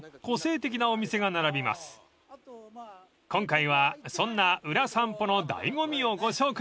［今回はそんなウラ散歩の醍醐味をご紹介！］